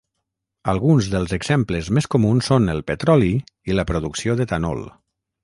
Alguns dels exemples més comuns són el petroli, i la producció d'etanol.